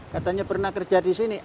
katanya pernah kerja di sini